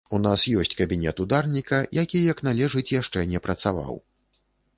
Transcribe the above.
У нас ёсць кабінет ударніка, які як належыць яшчэ не працаваў.